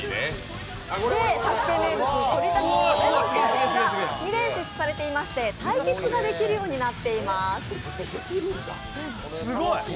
で、「ＳＡＳＵＫＥ」名物そり立つ壁がありますが、２レーン設置されていまして対決ができるようになっています。